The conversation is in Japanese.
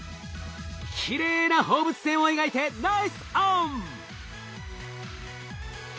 きれいな放物線を描いてナイスオン！